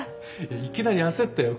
いきなり焦ったよ